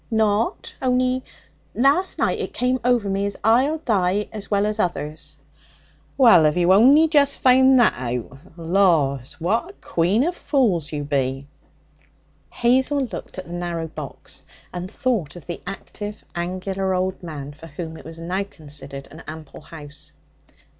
'Nought. Only last night it came o'er me as I'll die as well as others.' 'Well, have you only just found that out? Laws! what a queen of fools you be!' Hazel looked at the narrow box, and thought of the active, angular old man for whom it was now considered an ample house.